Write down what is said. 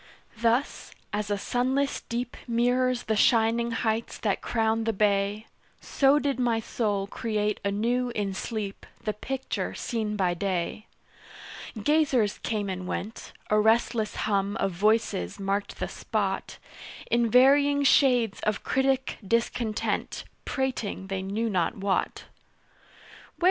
Thus, as a sunless deep Mirrors the shining heights that crown the bay, So did my soul create anew in sleep The picture seen by day. Gazers came and went A restless hum of voices marked the spot In varying shades of critic discontent Prating they knew not what.